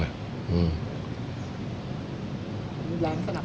มึงแรงสนับสนุนขึ้นเยอะแหละครับ